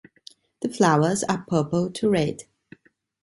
The flowers are purple to red.